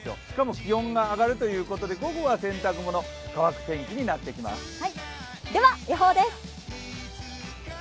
しかも気温が上がるということで、午後は洗濯物乾く天気になってきます。